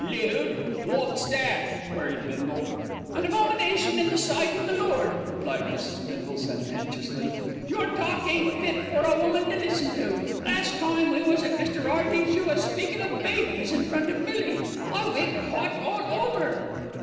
"'Lewd!' Wot's that?" queried Bindle. "An abomination in the sight of the Lord," replied Mrs. Bindle sententiously. "Your talk ain't fit for a woman to listen to. Last time we was at Mr. Hearty's you was speakin' of babies in front of Millie. I went hot all over."